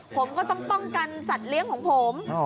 ผมก็ต้องป้องกันสัตว์เลี้ยงของผม